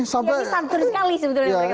ini santur sekali sebenarnya